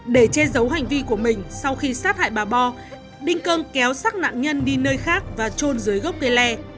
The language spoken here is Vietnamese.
để che giấu hành vi của mình sau khi sát hại bà bo đinh cơ kéo xác nạn nhân đi nơi khác và trôn dưới gốc cây le